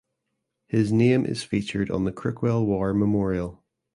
His name is featured on the Crookwell War Memorial.